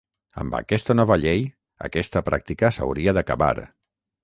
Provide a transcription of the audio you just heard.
Amb aquesta nova llei, aquesta pràctica s’hauria d’acabar.